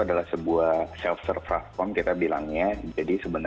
karena yaitu dari tiktok ya biasa digunakan dari satunya